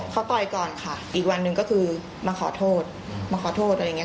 เขาปล่อยก่อนค่ะอีกวันหนึ่งก็คือมาขอโทษมาขอโทษอะไรอย่างนี้